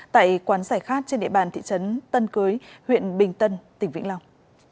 tại quán giải khát trên địa bàn thị trấn tân cưới huyện bình tân tỉnh vĩnh long